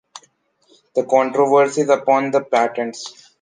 The controversies upon the patents.